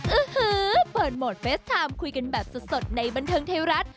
ื้อฮือเปิดโหมดเฟสไทม์คุยกันแบบสดในบันเทิงไทยรัฐ